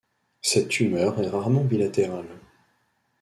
Cette tumeur est rarement bilatérale.